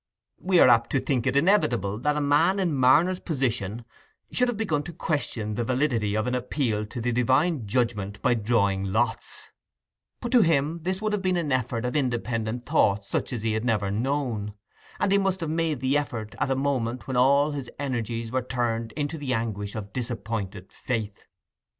We are apt to think it inevitable that a man in Marner's position should have begun to question the validity of an appeal to the divine judgment by drawing lots; but to him this would have been an effort of independent thought such as he had never known; and he must have made the effort at a moment when all his energies were turned into the anguish of disappointed faith.